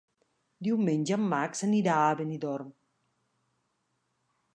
Diumenge en Max anirà a Benidorm.